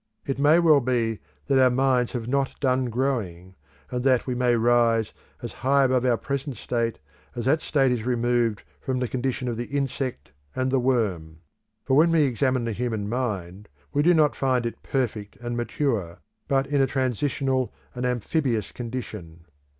It may well be that our minds have not done growing, and that we may rise as high above our present state as that state is removed from the condition of the insect and the worm. For when we examine the human mind we do not find it perfect and mature; but in a transitional and amphibious condition.